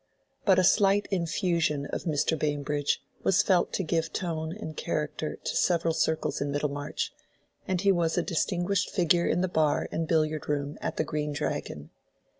But a slight infusion of Mr. Bambridge was felt to give tone and character to several circles in Middlemarch; and he was a distinguished figure in the bar and billiard room at the Green Dragon.